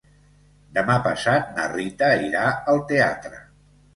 Demà passat na Rita irà al teatre.